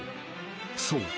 ［そう。